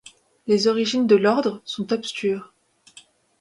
Les origines de l’ordre sont obscures.